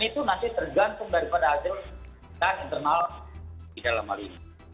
dan itu masih tergantung daripada hasil dan internal di dalam hal ini